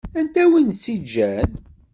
Anta i wen-tt-igan?